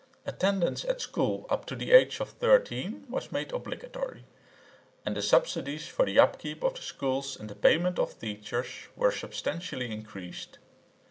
Attendance at school up to the age of 13 was made obligatory, and the subsidies for the upkeep of the schools and the payment of teachers were substantially increased.